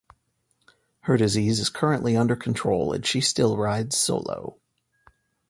Her disease is currently under control and she still rides solo.